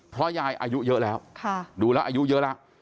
เพราะยายอายุเยอะแล้วดูแล้วอายุเยอะแล้ว